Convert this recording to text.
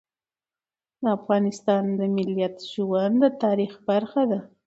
د افغانستان د ملت ژوند د تاریخ برخه ده.